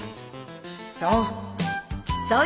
そう。